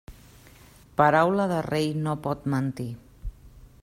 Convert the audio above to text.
Paraula de rei no pot mentir.